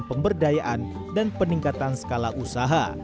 pemberdayaan dan peningkatan skala usaha